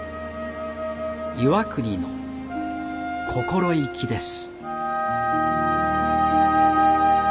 岩国の心意気です。